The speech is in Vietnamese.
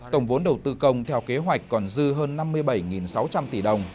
tổng vốn đầu tư công theo kế hoạch còn dư hơn năm mươi bảy sáu trăm linh tỷ đồng